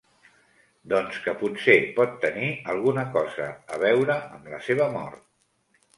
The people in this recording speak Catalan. Doncs que potser pot tenir alguna cosa a veure amb la seva mort.